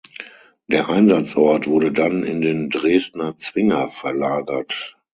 Der Einsatzort wurde dann in den Dresdner Zwinger verlagert.